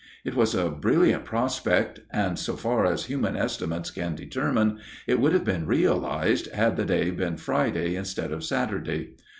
It was a brilliant prospect, and so far as human estimates can determine it would have been realized had the day been Friday instead of Saturday.